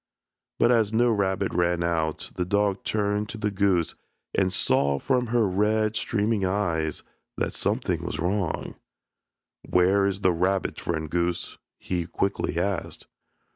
But as no rabbit ran out the dog turned to the goose and saw from her red, streaming eyes that something was wrong. "Where is the rabbit, friend goose?" he quickly asked.